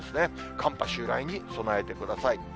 寒波襲来に備えてください。